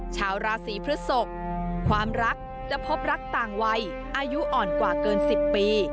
ชาวราศีพฤศกความรักจะพบรักต่างวัยอายุอ่อนกว่าเกิน๑๐ปี